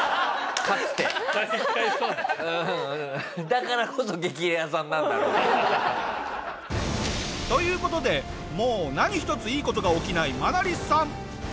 だからこそ激レアさんなんだろうけど。という事でもう何一ついい事が起きないマナリスさん。